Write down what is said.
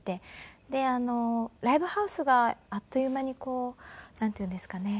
でライブハウスがあっという間になんていうんですかね。